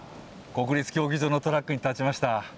国立競技場のトラックに立ちました。